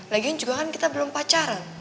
lagi juga kan kita belum pacaran